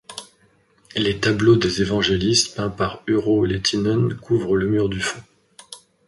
Les tableaux des évangélistes peints par Urho Lehtinen couvrent le mur du fond.